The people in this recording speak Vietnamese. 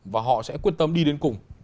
và họ sẽ quyết tâm đi đến cùng